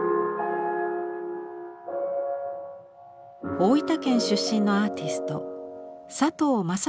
大分県出身のアーティスト佐藤雅晴の回顧展です。